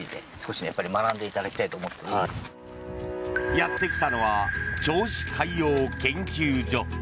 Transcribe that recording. やってきたのは銚子海洋研究所。